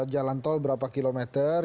jalan tol berapa kilometer